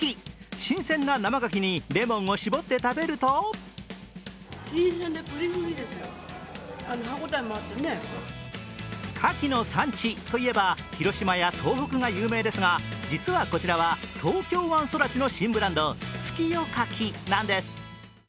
新鮮な生がきにレモンを搾って食べると牡蠣の産地といえば、広島や東北が有名ですが、実はこちらは東京湾育ちの新ブランド、月夜牡蠣なんです。